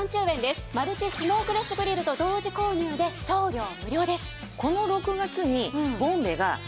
マルチスモークレスグリルと同時購入で送料無料です。